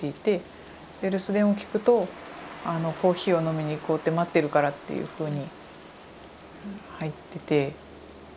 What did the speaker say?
で留守電を聞くとコーヒーを飲みに行こうって待ってるからっていうふうに入ってて。